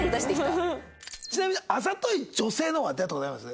ちなみにあざとい女性の方は出会った事あります？